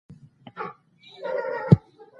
مناسب خوراک او ورزش د روغتیا لپاره اړین دي.